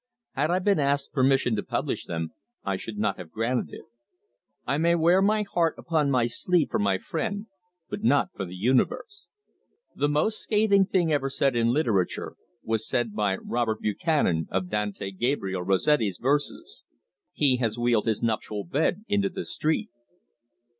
Had I been asked permission to publish them I should not have granted it. I may wear my heart upon my sleeve for my friend, but not for the universe. The most scathing thing ever said in literature was said by Robert Buchanan on Dante Gabriel Rossetti's verses "He has wheeled his nuptial bed into the street."